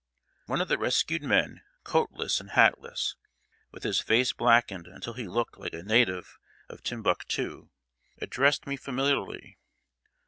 One of the rescued men, coatless and hatless, with his face blackened until he looked like a native of Timbuctoo, addressed me familiarly.